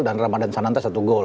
dan ramadan sananta satu gol